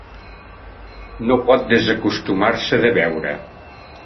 No pot desacostumar-se de beure.